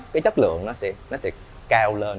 cái chất lượng nó sẽ cao lên